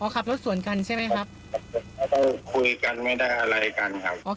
ขับรถสวนกันใช่ไหมครับเราต้องคุยกันไม่ได้อะไรกันครับ